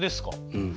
うん。